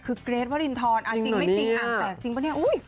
คือเกรทวรินทรจริงไม่จริงอ่านแตกจริงปะเนี่ย